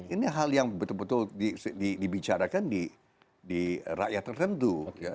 ini hal yang betul betul dibicarakan di rakyat tertentu